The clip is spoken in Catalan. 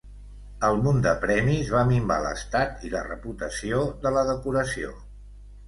El munt de premis va minvar l"estat i la reputació de la decoració.